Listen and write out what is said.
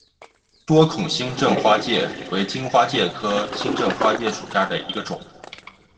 多孔新正花介为荆花介科新正花介属下的一个种。